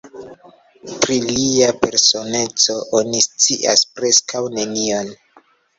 Pri lia personeco oni scias preskaŭ nenion.